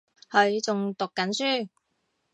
佢仲讀緊書